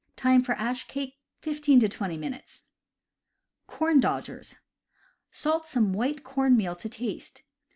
Time for ash cake, fifteen to twenty minutes. Corn Dodgers. — Salt some white corn meal to taste.